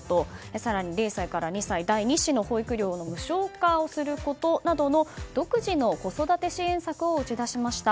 更に、０歳から２歳の第２子の保育料を無償化することなど独自の子育て支援策を打ち出しました。